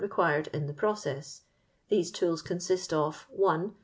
required in the process* •♦ These tools consist of— *' 1.